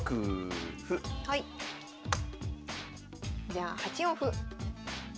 じゃあ８四歩。